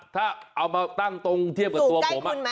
ถ้าเอามาตั้งตรงเทียบกับตัวผม